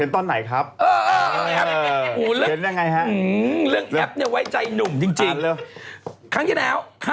ต้องคุณพูดเลย